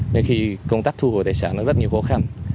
nên khi công tác thu hồi tài sản nó rất nhiều khó khăn